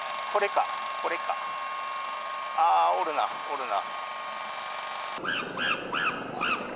あー、おるな、おるな。